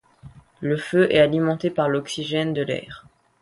Le feu est alimenté par l'oxygène de l'air.